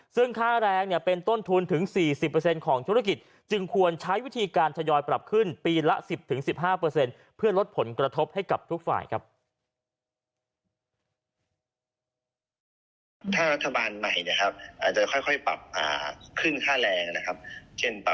ซึ่งค่าแรงเป็นต้นทุนถึง๔๐ของธุรกิจจึงควรใช้วิธีการทยอยปรับขึ้นปีละ๑๐๑๕เพื่อลดผลกระทบให้กับทุกฝ่ายครับ